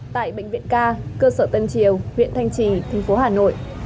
tại bệnh viện ca cơ sở tân triều huyện thanh trì thành phố hà nội